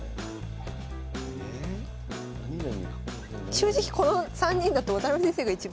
正直この３人だと渡辺先生が一番。